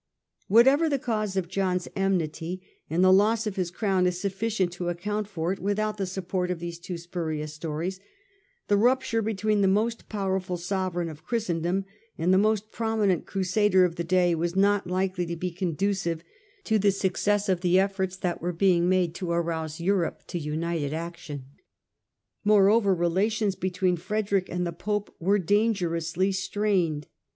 Whatever the cause of John's enmity and the loss of his crown is sufficient to account for it without the support of these two spurious stories the rupture between the most powerful sovereign of Christendom and the most prominent Crusader of the day was not likely to be conducive to the success of the efforts that were being made to arouse Europe to united action. Moreover, relations between Frederick and the Pope were dangerously strained.